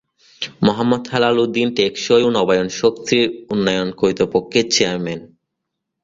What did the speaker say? মোহাম্মদ হেলাল উদ্দিন টেকসই ও নবায়নযোগ্য শক্তি উন্নয়ন কর্তৃপক্ষের চেয়ারম্যান।